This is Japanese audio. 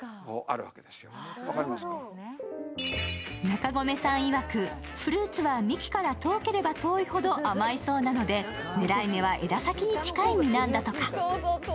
中込さんいわく、フルーツは幹から遠ければ遠いほど甘いそうなので、狙い目は枝先に近い実なんだとか。